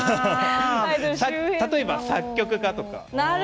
例えば作曲家とか。